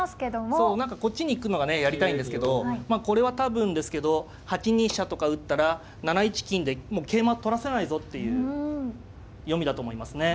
そう何かこっちに行くのがねやりたいんですけどまあこれは多分ですけど８二飛車とか打ったら７一金でもう桂馬取らせないぞっていう読みだと思いますね。